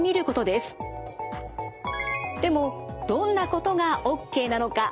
でもどんなことがＯＫなのか？